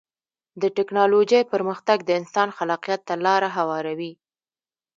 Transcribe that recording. د ټکنالوجۍ پرمختګ د انسان خلاقیت ته لاره هواروي.